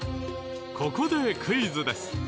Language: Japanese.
ここでクイズです。